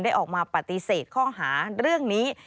ออกมาปฏิเสธข้อหาเรื่องนี้